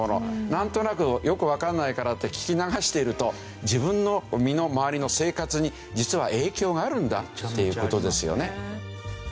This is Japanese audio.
なんとなくよくわかんないからって聞き流していると自分の身の回りの生活に実は影響があるんだっていう事ですよね。